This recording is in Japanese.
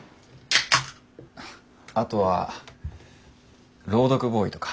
あとは朗読ボーイとか。